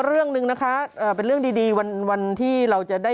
เออตรงที่หรูอะ